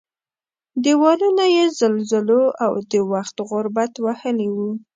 دېوالونه یې زلزلو او د وخت غربت وهلي وو.